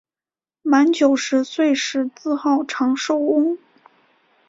满九十岁时自号长寿翁。